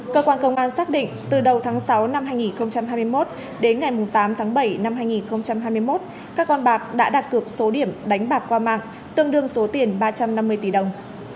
cơ quan công an xác định từ đầu tháng sáu năm hai nghìn hai mươi một đến ngày tám tháng bảy năm hai nghìn hai mươi một các con bạc đã đặt cược số điểm đánh bạc qua mạng tương đương số tiền ba trăm năm mươi tỷ đồng